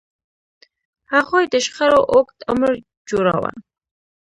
هغوی د شخړو اوږد عمر جوړاوه.